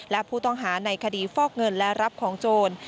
และผู้ต้องหาในคดีฟอกเงินและรับของโจร